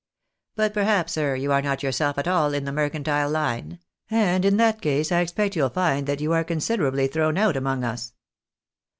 But perhaps, sir, you are not yourself at all in the mercantile line ? and A MEECANTILE BAIT. 2G9 in that case I expect you'll find that you are considerably thrown out among us."